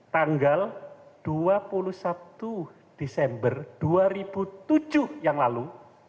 tanggal dua puluh satu desember dua ribu tujuh yang lalu